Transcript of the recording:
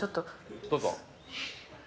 どうぞ。